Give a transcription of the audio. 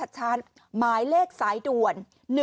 ช้ามายเลขสายด่วน๑๖๖๙